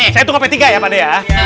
saya tunggu sampai tiga ya pak d ya